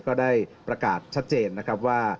ก็ได้ประกาศชัดเจนว่า